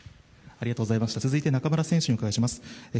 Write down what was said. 続いて中村選手にお伺いします。